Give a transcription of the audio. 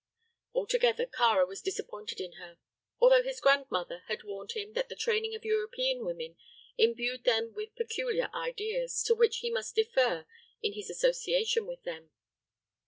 Altogether, Kāra was disappointed in her, although his grandmother had warned him that the training of European women imbued them with peculiar ideas, to which he must defer in his association with them.